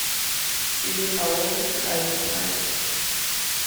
Die Bebauung ist dreigeteilt.